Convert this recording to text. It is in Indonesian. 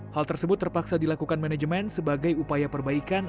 hal tersebut terpaksa dilakukan manajemen sebagai upaya perbaikan